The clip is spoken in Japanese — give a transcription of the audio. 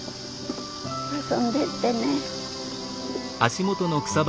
遊んでってね。